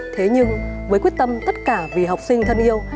thế nhưng với quyết tâm tất cả vì học sinh thân yêu